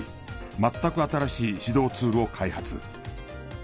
全く新しい指導ツールを開発。